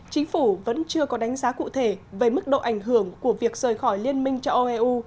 chính phủ vẫn chưa có đánh giá cụ thể về mức độ ảnh hưởng của việc rời khỏi liên minh châu âu eu